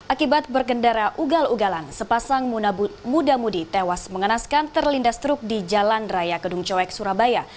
akibat bergendara ugal ugalan sepasang muda mudi tewas mengenaskan terlindas truk di jalan raya kedung coek surabaya